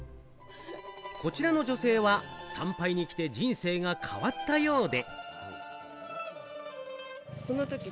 こちらの女性は参拝に来て人生が変わったようで。